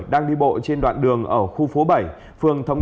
đang đi bộ trên đoạn đường ở khu phố bảy